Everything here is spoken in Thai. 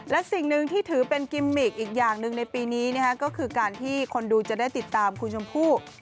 และสิ่งหนึ่งที่ถือเป็นกิมมิกอีกอย่างหนึ่งในปีนี้ก็คือการที่คนดูจะได้ติดตามคุณชมพู่